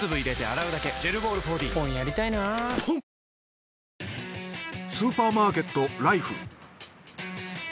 ＪＴスーパーマーケットライフ